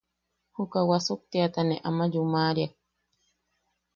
Juka wasuktiata ne ama yumaʼariak.